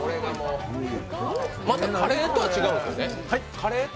また、カレーとかとは違うんですね？